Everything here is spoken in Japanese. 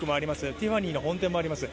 ティファニーの本店もあります。